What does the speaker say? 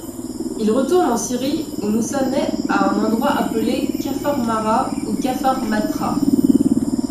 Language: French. Il retourne en Syrie où Moussa naît à un endroit appelé Kafarmara ou Kafarmathra.